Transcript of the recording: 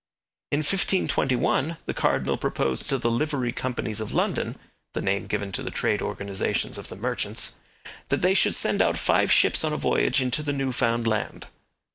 In 1521 the cardinal proposed to the Livery Companies of London the name given to the trade organizations of the merchants that they should send out five ships on a voyage into the New Found Land.